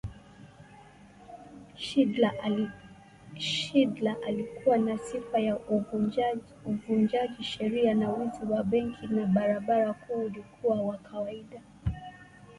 Shidler had a reputation for lawlessness with bank and highway robberies common.